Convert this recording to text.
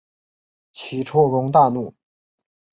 齐悼公大怒。